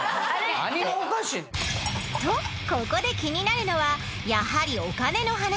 何がおかしいん？とここで気になるのはやはりお金の話。